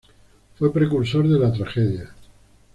Fue precursor de la tragedia.